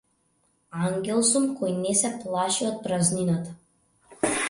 Ангел сум кој не се плаши од празнината.